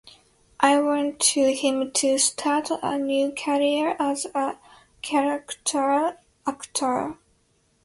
I want him to start a new career as a character actor.